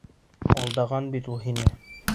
Алдаған бит ул һине!